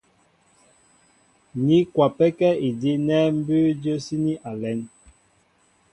Ní kwapɛ́kɛ́ idí' nɛ́ mbʉ́ʉ́ jə́síní a lɛ́n.